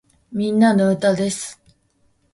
みんなの歌です